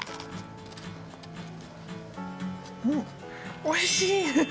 うん、おいしい。